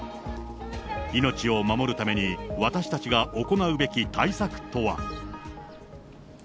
命を守るために私たちが行うべき対策とは。